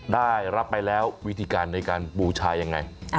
ได้รับไปแล้ววิธีการในการบูชายังไง